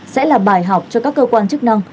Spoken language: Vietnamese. sẽ là bài học cho các cơ quan chức năng